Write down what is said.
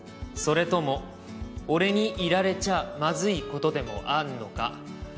「それとも俺にいられちゃまずいことでもあんのか？」